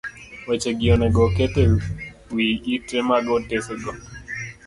Wechegi onego oket e wi ite mag otasego